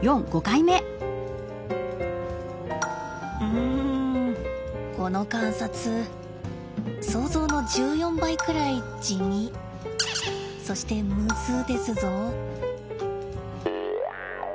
うんこの観察想像の１４倍くらい地味そしてむずですぞ？